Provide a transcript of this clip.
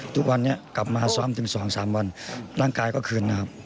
ทุกวันนี้กลับมาซ้อมถึง๒๓วันร่างกายก็คืนนะครับ